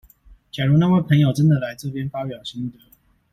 假如那位朋友真的來這邊發表心得